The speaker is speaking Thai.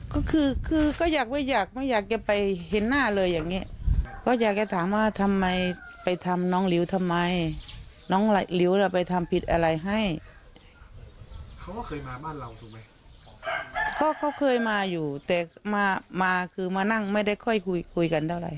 ก็คือคือก็อยากไม่อยากไม่อยากจะไปเห็นหน้าเลยอย่างเงี้ยก็อยากจะถามว่าทำไมไปทำน้องลิวทำไมน้องลิวน่ะไปทำผิดอะไรให้เขาก็เคยมาบ้านเราถูกไหมก็เขาเคยมาอยู่แต่มามาคือมานั่งไม่ได้ค่อยคุยคุยกันเท่าไหร